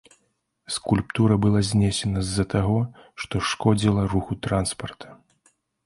Скульптура была знесена з-за таго, што шкодзіла руху транспарта.